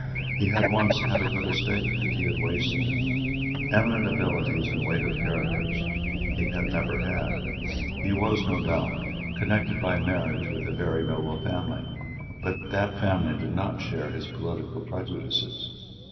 He had once had a good estate; but he had wasted it. Eminent abilities and weight of character he had never had. He was, no doubt, connected by marriage with a very noble family; but that family did not share his political prejudices.